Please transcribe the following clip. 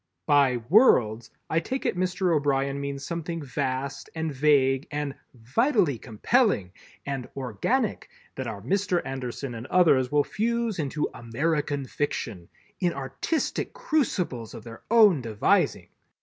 By "worlds" I take it Mr. O'Brien means something vast and vague and "vitally compelling" and "organic" that our Mr. Anderson and others will fuse into American Fiction "in artistic crucibles of their own devising."